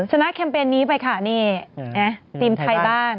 แคมเปญนี้ไปค่ะนี่ทีมไทยบ้าน